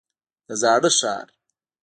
د زاړه ښار.